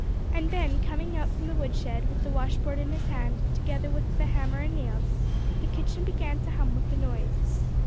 And Ben, coming out from the woodshed, with the washboard in his hand, together with the hammer and nails, the kitchen began to hum with the noise.